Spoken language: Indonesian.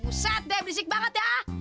pusat deh berisik banget ya